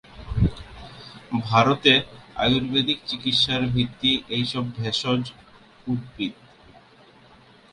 ভারতের আয়ুর্বেদিক চিকিৎসার ভিত্তি এইসব ভেষজ উদ্ভিদ।